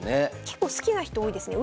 結構好きな人多いですね。